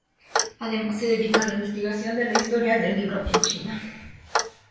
Además se dedica a la investigación de la historia del libro en China.